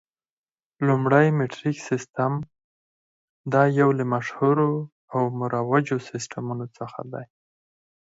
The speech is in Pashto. لومړی میټریک سیسټم، دا یو له مشهورو او مروجو سیسټمونو څخه دی.